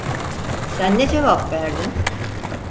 Sen ne cevap verdin?